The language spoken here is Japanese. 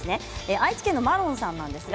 愛知県の方です。